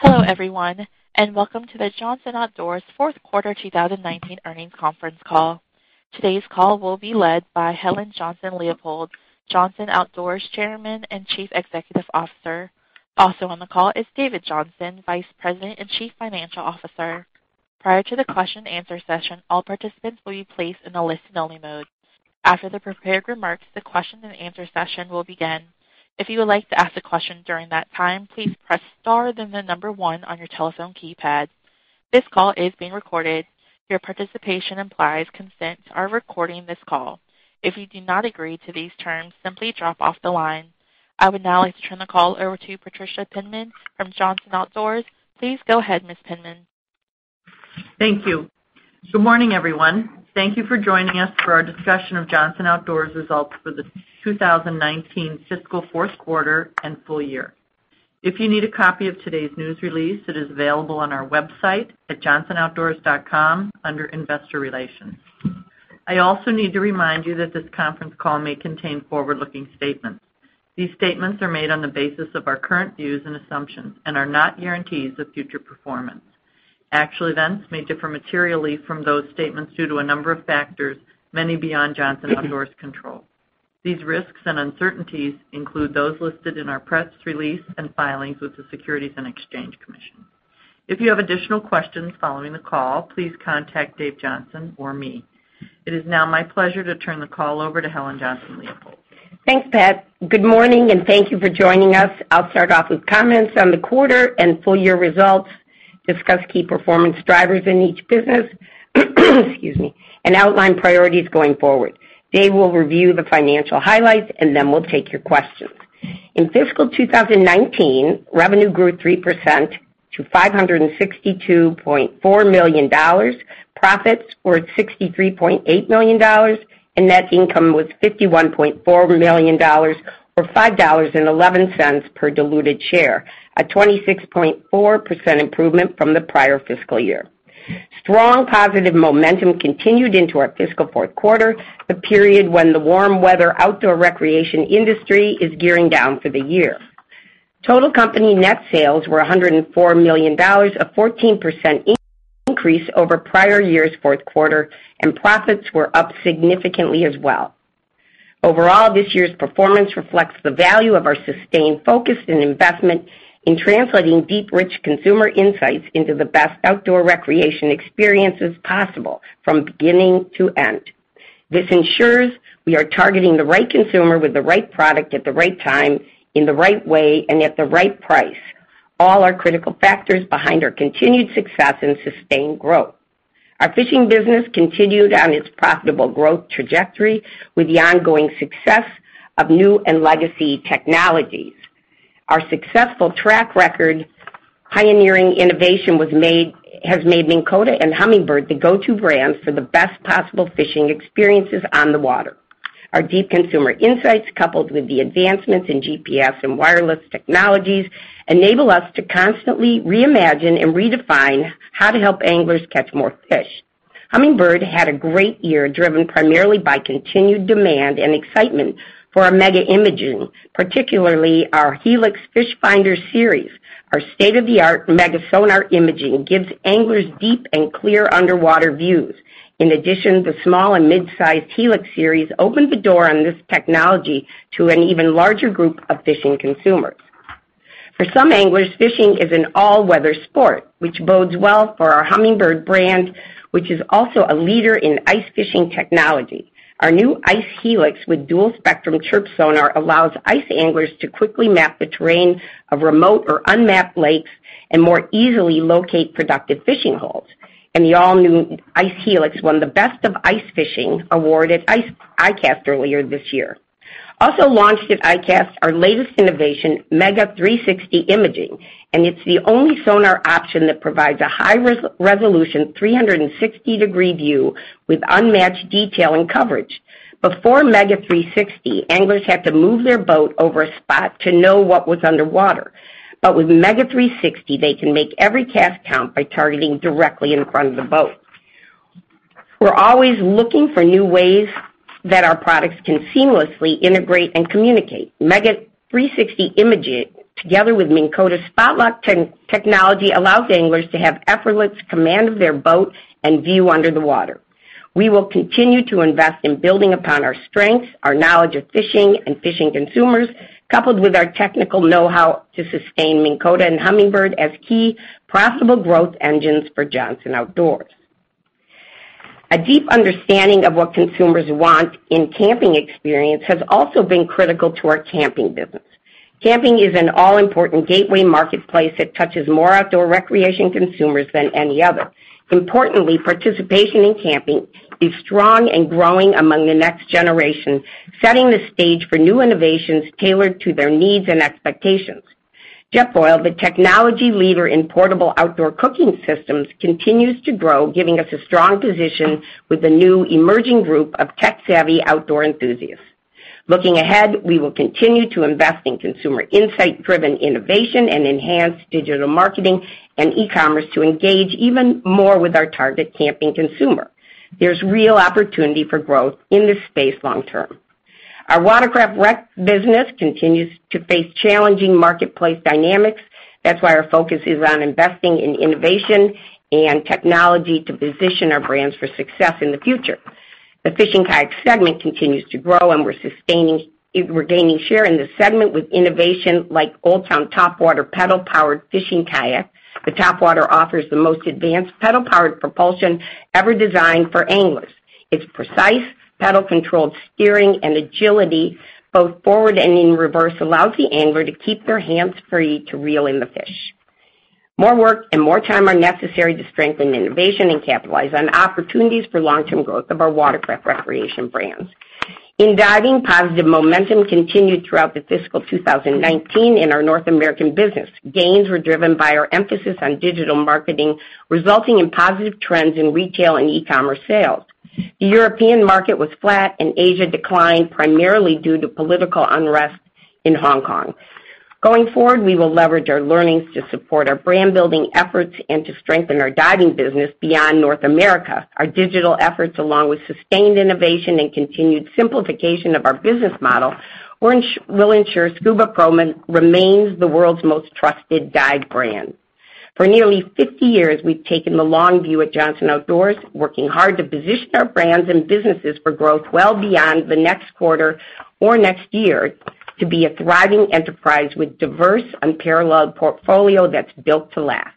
Hello, everyone, and welcome to the Johnson Outdoors fourth quarter 2019 earnings conference call. Today's call will be led by Helen Johnson-Leipold, Johnson Outdoors Chairman and Chief Executive Officer. Also on the call is David Johnson, Vice President and Chief Financial Officer. Prior to the question and answer session, all participants will be placed in a listen-only mode. After the prepared remarks, the question and answer session will begin. If you would like to ask a question during that time, please press star then the number one on your telephone keypad. This call is being recorded. Your participation implies consent to our recording this call. If you do not agree to these terms, simply drop off the line. I would now like to turn the call over to Patricia Penman from Johnson Outdoors. Please go ahead, Ms. Penman. Thank you. Good morning, everyone. Thank you for joining us for our discussion of Johnson Outdoors' results for the 2019 fiscal fourth quarter and full year. If you need a copy of today's news release, it is available on our website at johnsonoutdoors.com under Investor Relations. I also need to remind you that this conference call may contain forward-looking statements. These statements are made on the basis of our current views and assumptions and are not guarantees of future performance. Actual events may differ materially from those statements due to a number of factors, many beyond Johnson Outdoors' control. These risks and uncertainties include those listed in our press release and filings with the Securities and Exchange Commission. If you have additional questions following the call, please contact Dave Johnson or me. It is now my pleasure to turn the call over to Helen Johnson-Leipold. Thanks, Pat. Good morning and thank you for joining us. I'll start off with comments on the quarter and full-year results, discuss key performance drivers in each business, and outline priorities going forward. Dave will review the financial highlights, and then we'll take your questions. In fiscal 2019, revenue grew 3% to $562.4 million, profits were at $63.8 million, and net income was $51.4 million or $5.11 per diluted share, a 26.4% improvement from the prior fiscal year. Strong positive momentum continued into our fiscal fourth quarter, the period when the warm weather outdoor recreation industry is gearing down for the year. Total company net sales were $104 million, a 14% increase over prior year's fourth quarter, and profits were up significantly as well. Overall, this year's performance reflects the value of our sustained focus and investment in translating deep, rich consumer insights into the best outdoor recreation experiences possible from beginning to end. This ensures we are targeting the right consumer with the right product at the right time, in the right way, and at the right price. All are critical factors behind our continued success and sustained growth. Our fishing business continued on its profitable growth trajectory with the ongoing success of new and legacy technologies. Our successful track record pioneering innovation has made Minn Kota and Humminbird the go-to brands for the best possible fishing experiences on the water. Our deep consumer insights, coupled with the advancements in GPS and wireless technologies, enable us to constantly reimagine and redefine how to help anglers catch more fish. Humminbird had a great year, driven primarily by continued demand and excitement for our MEGA Imaging, particularly our HELIX Fish Finder series. Our state-of-the-art MEGA sonar imaging gives anglers deep and clear underwater views. The small and midsize HELIX series opened the door on this technology to an even larger group of fishing consumers. For some anglers, fishing is an all-weather sport, which bodes well for our Humminbird brand, which is also a leader in ice fishing technology. Our new ICE HELIX with dual spectrum CHIRP sonar allows ice anglers to quickly map the terrain of remote or unmapped lakes and more easily locate productive fishing holes. The all-new ICE HELIX won the Best of Ice Fishing Award at ICAST earlier this year. Also launched at ICAST, our latest innovation, MEGA 360 Imaging, and it's the only sonar option that provides a high-resolution 360-degree view with unmatched detail and coverage. Before MEGA 360, anglers had to move their boat over a spot to know what was underwater. With MEGA 360, they can make every cast count by targeting directly in front of the boat. We're always looking for new ways that our products can seamlessly integrate and communicate. MEGA 360 Imaging, together with Minn Kota's Spot-Lock technology, allows anglers to have effortless command of their boat and view under the water. We will continue to invest in building upon our strengths, our knowledge of fishing and fishing consumers, coupled with our technical know-how to sustain Minn Kota and Humminbird as key profitable growth engines for Johnson Outdoors. A deep understanding of what consumers want in camping experience has also been critical to our camping business. Camping is an all-important gateway marketplace that touches more outdoor recreation consumers than any other. Importantly, participation in camping is strong and growing among the next generation, setting the stage for new innovations tailored to their needs and expectations. Jetboil, the technology leader in portable outdoor cooking systems, continues to grow, giving us a strong position with the new emerging group of tech-savvy outdoor enthusiasts. Looking ahead, we will continue to invest in consumer insight-driven innovation and enhance digital marketing and e-commerce to engage even more with our target camping consumer. There's real opportunity for growth in this space long term. Our Watercraft Rec business continues to face challenging marketplace dynamics. That's why our focus is on investing in innovation and technology to position our brands for success in the future. The fishing kayak segment continues to grow, and we're gaining share in the segment with innovation like Old Town Topwater pedal-powered fishing kayak. The Topwater offers the most advanced pedal-powered propulsion ever designed for anglers. Its precise pedal-controlled steering and agility, both forward and in reverse, allows the angler to keep their hands free to reel in the fish. More work and more time are necessary to strengthen innovation and capitalize on opportunities for long-term growth of our watercraft recreation brands. In Diving, positive momentum continued throughout the fiscal 2019 in our North American business. Gains were driven by our emphasis on digital marketing, resulting in positive trends in retail and e-commerce sales. The European market was flat, and Asia declined primarily due to political unrest in Hong Kong. Going forward, we will leverage our learnings to support our brand-building efforts and to strengthen our diving business beyond North America. Our digital efforts, along with sustained innovation and continued simplification of our business model, will ensure SCUBAPRO remains the world's most trusted dive brand. For nearly 50 years, we've taken the long view at Johnson Outdoors, working hard to position our brands and businesses for growth well beyond the next quarter or next year to be a thriving enterprise with diverse, unparalleled portfolio that's built to last.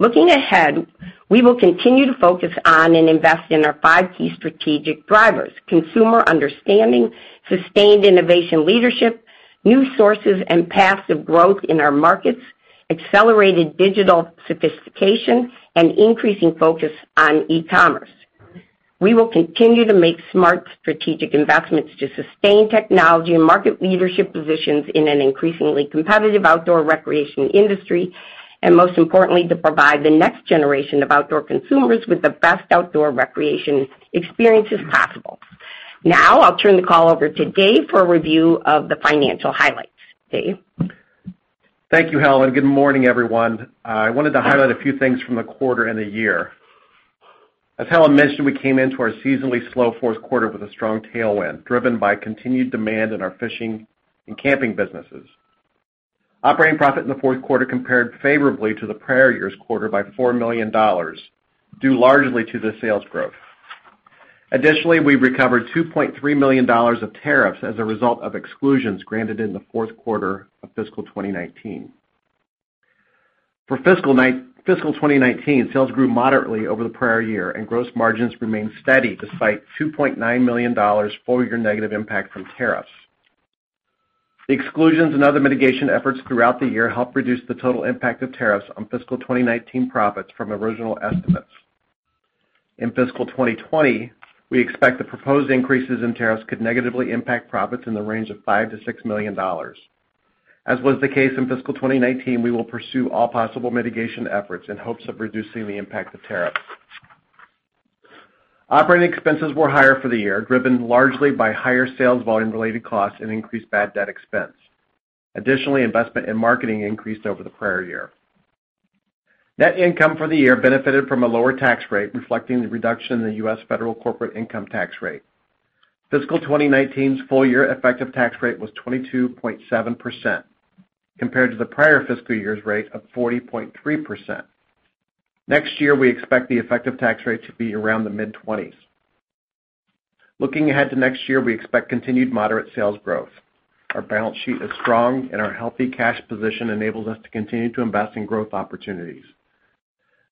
Looking ahead, we will continue to focus on and invest in our five key strategic drivers: consumer understanding, sustained innovation leadership, new sources and paths of growth in our markets, accelerated digital sophistication, and increasing focus on e-commerce. We will continue to make smart strategic investments to sustain technology and market leadership positions in an increasingly competitive outdoor recreation industry, and most importantly, to provide the next generation of outdoor consumers with the best outdoor recreation experiences possible. Now, I'll turn the call over to Dave for a review of the financial highlights. Dave? Thank you, Helen. Good morning, everyone. I wanted to highlight a few things from the quarter and the year. As Helen mentioned, we came into our seasonally slow fourth quarter with a strong tailwind, driven by continued demand in our fishing and camping businesses. Operating profit in the fourth quarter compared favorably to the prior year's quarter by $4 million, due largely to the sales growth. Additionally, we recovered $2.3 million of tariffs as a result of exclusions granted in the fourth quarter of fiscal 2019. For fiscal 2019, sales grew moderately over the prior year, and gross margins remained steady despite $2.9 million full-year negative impact from tariffs. The exclusions and other mitigation efforts throughout the year helped reduce the total impact of tariffs on fiscal 2019 profits from original estimates. In fiscal 2020, we expect the proposed increases in tariffs could negatively impact profits in the range of $5 million-$6 million. As was the case in fiscal 2019, we will pursue all possible mitigation efforts in hopes of reducing the impact of tariffs. Operating expenses were higher for the year, driven largely by higher sales volume-related costs and increased bad debt expense. Additionally, investment in marketing increased over the prior year. Net income for the year benefited from a lower tax rate, reflecting the reduction in the U.S. federal corporate income tax rate. Fiscal 2019's full-year effective tax rate was 22.7%, compared to the prior fiscal year's rate of 40.3%. Next year, we expect the effective tax rate to be around the mid-20s. Looking ahead to next year, we expect continued moderate sales growth. Our balance sheet is strong, and our healthy cash position enables us to continue to invest in growth opportunities.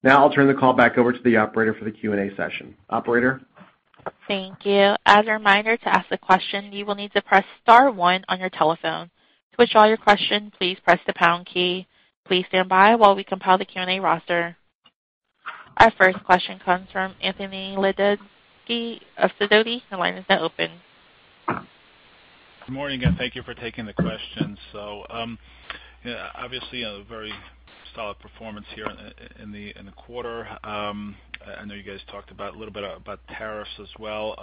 I'll turn the call back over to the operator for the Q&A session. Operator? Thank you. As a reminder, to ask a question, you will need to press star one on your telephone. To withdraw your question, please press the pound key. Please stand by while we compile the Q&A roster. Our first question comes from Anthony Lebiedzinski of Sidoti. The line is now open. Good morning, and thank you for taking the question. Obviously a very solid performance here in the quarter. I know you guys talked about a little bit about tariffs as well.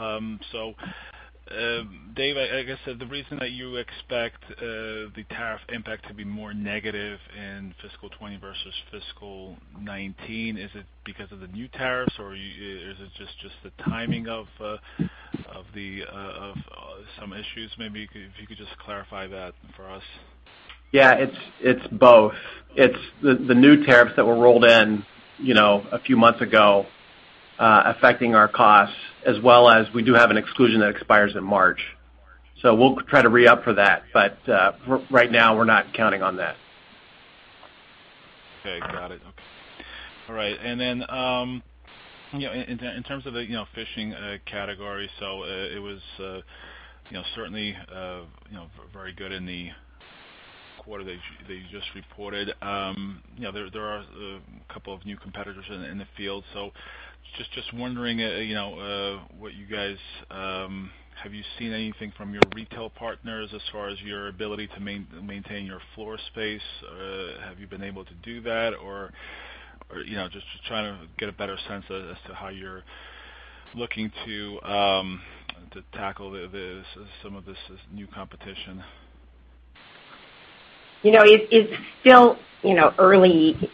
Dave, I guess the reason that you expect the tariff impact to be more negative in fiscal 2020 versus fiscal 2019, is it because of the new tariffs, or is it just the timing of some issues maybe? If you could just clarify that for us. Yeah, it's both. It's the new tariffs that were rolled in a few months ago, affecting our costs, as well as we do have an exclusion that expires in March. We'll try to re-up for that. Right now, we're not counting on that. Okay, got it. Okay. All right. In terms of the fishing category, it was certainly very good in the quarter that you just reported. There are a couple of new competitors in the field, just wondering, have you seen anything from your retail partners as far as your ability to maintain your floor space? Have you been able to do that? Just trying to get a better sense as to how you're looking to tackle some of this new competition? It's still early,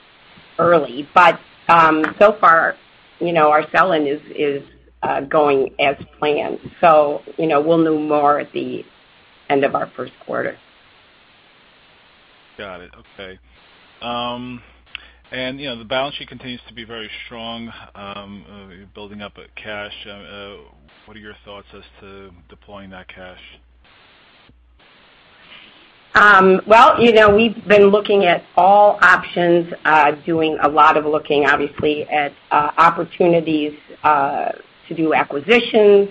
but so far, our sell-in is going as planned. We'll know more at the end of our first quarter. Got it. Okay. The balance sheet continues to be very strong. You're building up cash. What are your thoughts as to deploying that cash? Well, we've been looking at all options, doing a lot of looking obviously at opportunities to do acquisitions.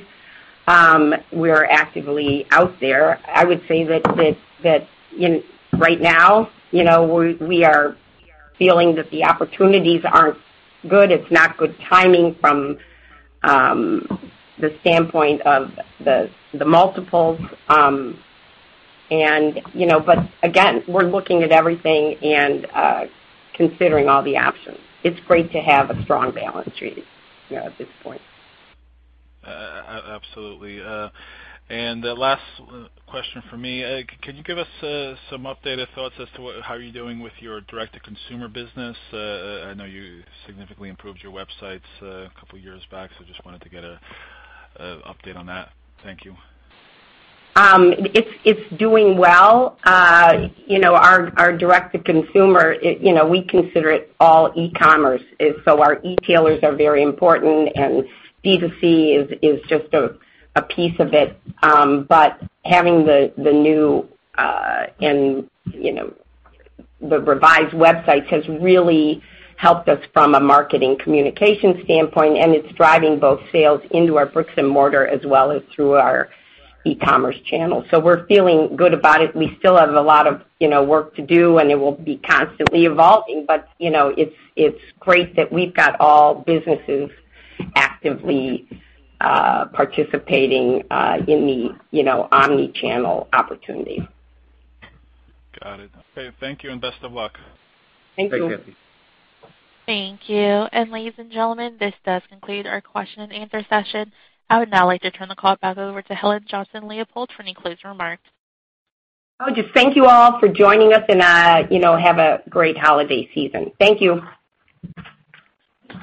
We're actively out there. I would say that right now, we are feeling that the opportunities aren't good. It's not good timing from the standpoint of the multiples. Again, we're looking at everything and considering all the options. It's great to have a strong balance sheet at this point. Absolutely. The last question from me, can you give us some updated thoughts as to how you're doing with your direct-to-consumer business? I know you significantly improved your websites a couple of years back, so just wanted to get an update on that. Thank you. It's doing well. Our direct-to-consumer, we consider it all e-commerce. Our e-tailers are very important, and D2C is just a piece of it. Having the new and the revised websites has really helped us from a marketing communication standpoint, and it's driving both sales into our bricks and mortar as well as through our e-commerce channel. We're feeling good about it. We still have a lot of work to do, and it will be constantly evolving. It's great that we've got all businesses actively participating in the omnichannel opportunity. Got it. Okay. Thank you, and best of luck. Thank you. Thanks, Anthony. Thank you. ladies and gentlemen, this does conclude our question and answer session. I would now like to turn the call back over to Helen Johnson-Leipold for any closing remarks. I would just thank you all for joining us, and have a great holiday season. Thank you.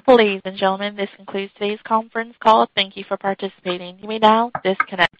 Ladies and gentlemen, this concludes today's conference call. Thank you for participating. You may now disconnect.